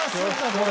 これ。